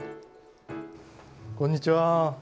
こんにちは。